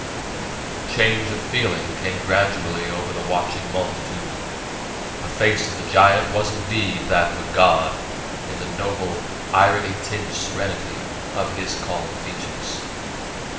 A change of feeling came gradually over the watching multitude. The face of the giant was indeed that of a god in the noble, irony tinged serenity of his calm features.